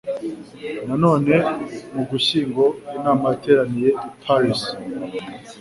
Nanone mu Ugushyingo inama yateraniye i Paris